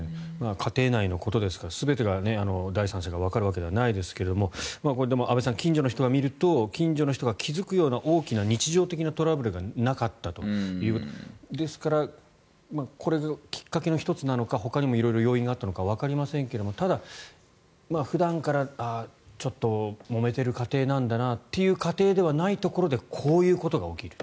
家庭内のことですから全てが第三者にわかるわけではないですが安部さん、近所の人が見ると近所の人が気付くような大きな日常的なトラブルがなかったということですからこれがきっかけの１つなのかほかに要因があったのかわかりませんがただ、普段からちょっともめてる家庭なんだなっていう家庭ではないところでこういうことが起きる。